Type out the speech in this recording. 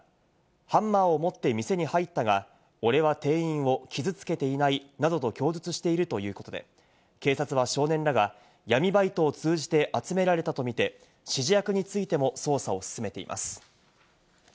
ハンマーを持って店に入ったが、俺は店員を傷つけていないなどと供述しているということで警察は少年らが闇バイトを通じて集められたと見て、指示役についても捜査を進めています。